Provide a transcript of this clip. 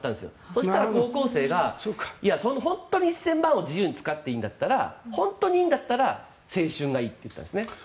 そしたら、高校生が本当に１０００万を自由に使っていいんだったら本当にいいんだったら青春がいいって言ったんですね。